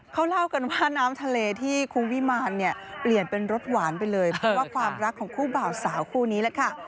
เขาเล่ากันว่าน้ำทะเลที่คุณวิมารเนี่ยเปลี่ยนเป็นรสหวานไปเลยเพราะว่าความรักของคู่บ่าวสาวคู่นี้แหละค่ะ